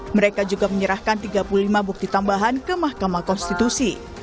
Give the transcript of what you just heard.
mereka juga menyerahkan tiga puluh lima bukti tambahan ke mahkamah konstitusi